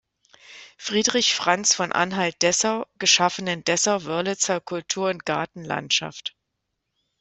Friedrich Franz von Anhalt-Dessau geschaffenen Dessau-Wörlitzer Kultur- und Gartenlandschaft.